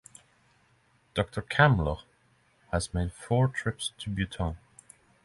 Doctor Kamler has made four trips to Bhutan.